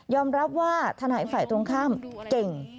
รับว่าทนายฝ่ายตรงข้ามเก่ง